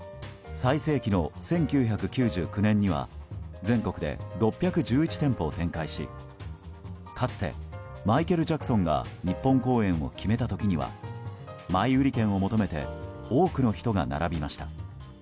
最盛期の１９９９年には全国で６１１店舗を展開しかつて、マイケル・ジャクソンが日本公演を決めた時には前売り券を求めて多くの人が並びました。